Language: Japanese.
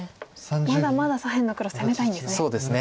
まだまだ左辺の黒攻めたいんですね。